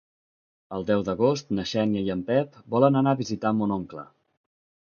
El deu d'agost na Xènia i en Pep volen anar a visitar mon oncle.